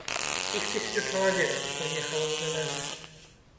Іх тысячу чалавек прыехала з-за мяжы.